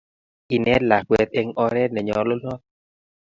Inet lakwet eng' oret ne nyalunot.